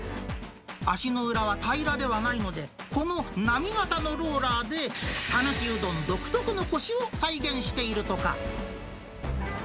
足の裏は平らではないので、この波型のローラーで、讃岐うどん独特のこしを再現しているとか。